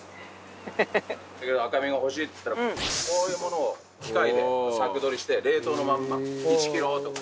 長川さん：赤身が欲しいっつったらこういうものを機械でサク取りして冷凍のまんま１ｋｇとか。